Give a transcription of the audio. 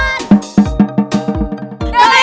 กรุงเทพค่ะ